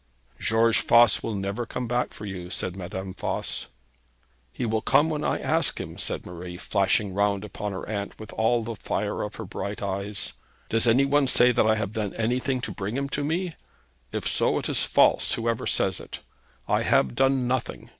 'George Voss will never come back for you,' said Madame Voss. 'He will come when I ask him,' said Marie, flashing round upon her aunt with all the fire of her bright eyes. 'Does any one say that I have done anything to bring him to me? If so, it is false, whoever says it. I have done nothing.